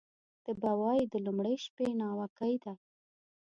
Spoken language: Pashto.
ته به وایې د لومړۍ شپې ناوکۍ ده